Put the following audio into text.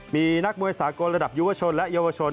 มีนักมวยสากลระดับยุวชนและเยาวชน